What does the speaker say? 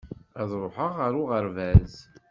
Ad ruḥeɣ ɣer uɣerbaz.